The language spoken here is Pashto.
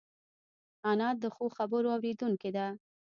انا د ښو خبرو اورېدونکې ده